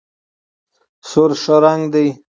سور ښه رنګ دی.